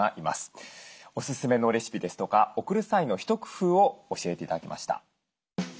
おすすめのレシピですとか送る際の一工夫を教えて頂きました。